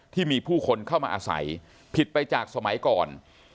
ที่มีผู้คนเข้ามาอาศัยผิดไปจากสมัยก่อน